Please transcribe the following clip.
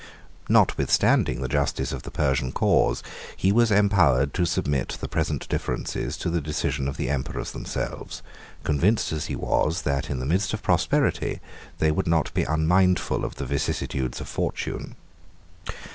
Notwithstanding the justice of the Persian cause, he was empowered to submit the present differences to the decision of the emperors themselves; convinced as he was, that, in the midst of prosperity, they would not be unmindful of the vicissitudes of fortune.